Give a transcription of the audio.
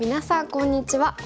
こんにちは。